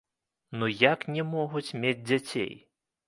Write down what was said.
Ну як не могуць мець дзяцей?